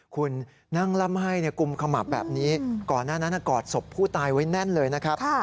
คุณนั่งล่ำให้กุมขมับแบบนี้ก่อนหน้านั้นกอดศพผู้ตายไว้แน่นเลยนะครับ